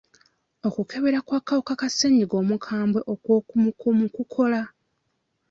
Okukebera kw'akawuka ka ssenyiga omukambwe okw'okumukumu kukola?